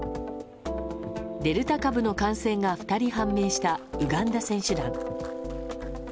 デルタ株の感染が２人判明したウガンダ選手団。